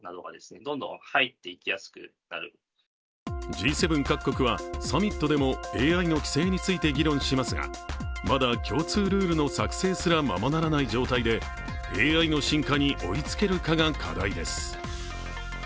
Ｇ７各国はサミットでもＡＩの規制について議論しますがまだ共通ルールの作成すらままならない状態でＡＩの進化に追いつけるかが課題です。